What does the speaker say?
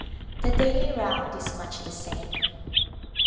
The daily round is much the same.